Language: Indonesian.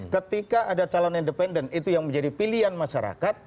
ketika ada calon independen itu yang menjadi pilihan masyarakat